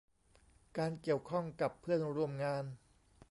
การเกี่ยวข้องกับเพื่อนร่วมงาน